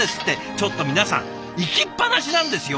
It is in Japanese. ちょっと皆さん行きっぱなしなんですよ